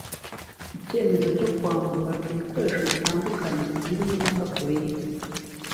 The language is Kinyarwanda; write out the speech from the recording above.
Icyemezo cyo kwambara ibikoresho bitandukanye birimo amasafuriya